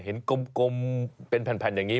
เห็นกลมเป็นแผ่นอย่างนี้